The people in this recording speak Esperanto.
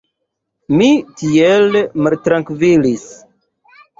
Mi tiel maltrankvilis!